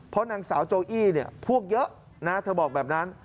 เพราะนางสาวโจอี้เนี่ยพวกเยอะนะเธอบอกแบบนั้น